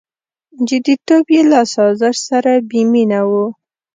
• جديتوب یې له سازش سره بېمینه و.